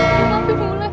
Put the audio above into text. maafin pulang ya allah